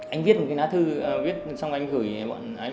anh viết một cái lá thư viết xong anh gửi bọn